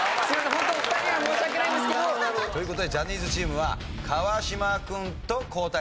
ホントお二人には申し訳ないんですけど。という事でジャニーズチームは川島君と交代です。